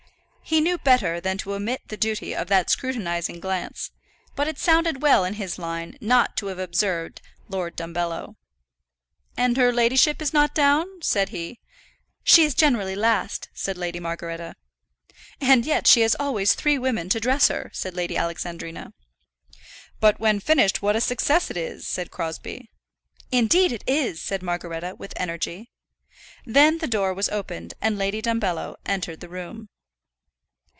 He knew better than to omit the duty of that scrutinizing glance; but it sounded well in his line not to have observed Lord Dumbello. "And her ladyship is not down?" said he. "She is generally last," said Lady Margaretta. "And yet she has always three women to dress her," said Alexandrina. "But when finished, what a success it is!" said Crosbie. "Indeed it is!" said Margaretta, with energy. Then the door was opened, and Lady Dumbello entered the room.